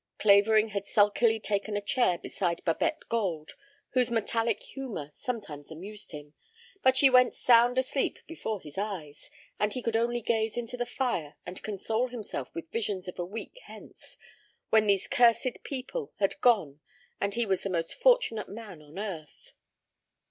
Clavering had sulkily taken a chair beside Babette Gold, whose metallic humor sometimes amused him, but she went sound asleep before his eyes, and he could only gaze into the fire and console himself with visions of a week hence, when these cursed people had gone and he was the most fortunate man on earth.